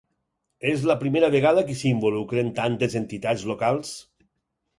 És la primera vegada que s’hi involucren tantes entitats locals?